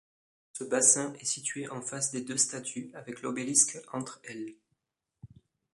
Ce bassin est situé en face des deux statues avec l'obélisque entre elles.